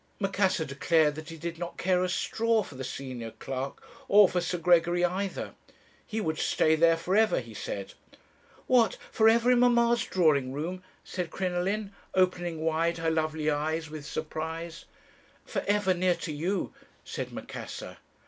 "Macassar declared that he did not care a straw for the senior clerk, or for Sir Gregory either. He would stay there for ever, he said. "'What! for ever in mamma's drawing room?' said Crinoline, opening wide her lovely eyes with surprise. "'For ever near to you,' said Macassar.